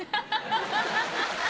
ハハハハ！